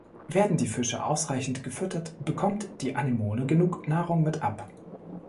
Werden die Fische ausreichend gefüttert, bekommt die Anemone genug Nahrung mit ab.